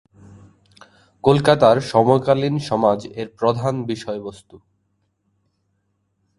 কলকাতার সমকালীন সমাজ এর প্রধান বিষয়বস্তু।